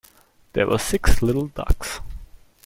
There were six little ducks.